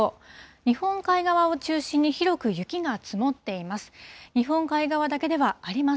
日本海側を中心に広く雪が積もっています。